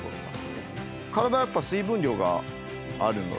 体やっぱ水分量があるので。